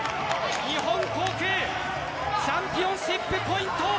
日本航空チャンピオンシップポイント。